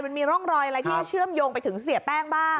มันมีร่องรอยอะไรที่เชื่อมโยงไปถึงเสียแป้งบ้าง